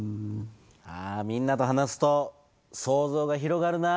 みんなと話すと想像が広がるな。